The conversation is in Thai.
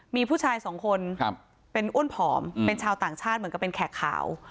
มีผู้ชายสองคนเป็นอ้วนผอมเป็นชาวต่างชาติเหมือนกับเป็นแขกขาว